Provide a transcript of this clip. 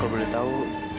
kau boleh tahu